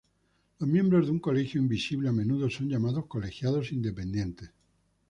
Los miembros de un colegio invisible a menudo son llamados colegiados independientes.